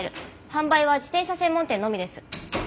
販売は自転車専門店のみです。